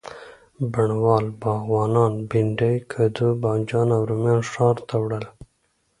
بڼوال، باغوانان، بینډۍ، کدو، بانجان او رومیان ښار ته وړل.